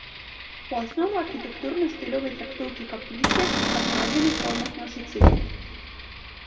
У аснову архітэктурна-стылёвай трактоўкі капліцы пакладзены формы класіцызму.